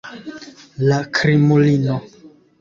La krimulino!